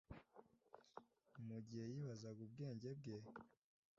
mugihe yibazaga ubwenge bwe.